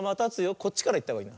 こっちからいったほうがいい。